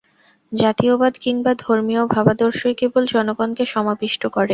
জাতীয়তাবাদ কিংবা ধর্মীয় ভাবাদর্শই কেবল জনগণকে সমাবিষ্ট করে।